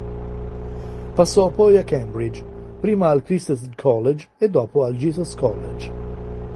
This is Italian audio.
Passò poi a Cambridge, prima al Christ's College e dopo al Jesus College.